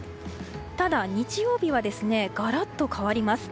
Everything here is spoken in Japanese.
ただ、日曜日はガラッと変わります。